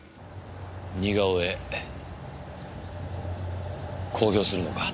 似顔絵公表するのか？